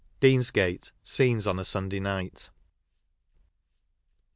DEANSGATE: SCENES ON A SATUEDAY NIGHT.